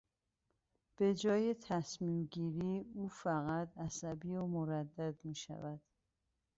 به جای تصمیم گیری او فقط عصبی و مردد میشود.